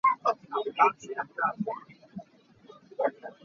Philh bak hlah mu?